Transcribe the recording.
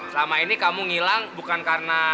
selama ini kamu ngilang bukan karena